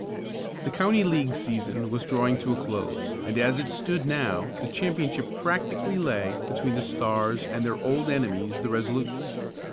The county league season was drawing to a close, and as it stood now the championship practically lay between the Stars and their old enemies the Resolutes.